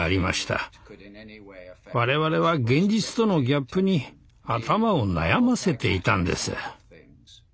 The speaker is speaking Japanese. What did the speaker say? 我々は現実とのギャップに頭を悩ませていたんです。